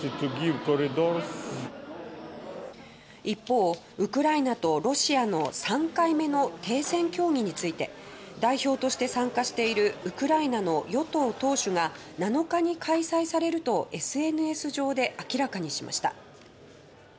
一方ウクライナとロシアの３回目の停戦協議について代表として参加しているウクライナの与党党首が７日に開催されるとＳＮＳ上で明らかにしました。